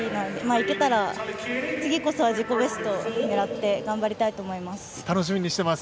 行けたら次こそは自己ベスト狙って頑張りたいと思います。